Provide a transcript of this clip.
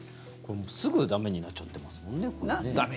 すぐ、駄目になっちゃってますもんね。